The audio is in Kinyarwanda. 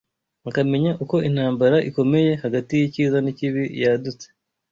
akamenya uko intambara ikomeye hagati y’icyiza n’ikibi yadutse